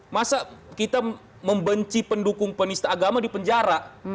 masa kita membenci pendukung penista agama di penjara